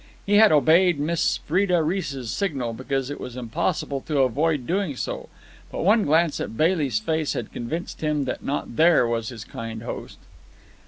He had obeyed Miss Freda Reece's signal because it was impossible to avoid doing so; but one glance at Bailey's face had convinced him that not there was his kind host.